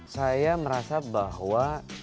saya merasa bahwa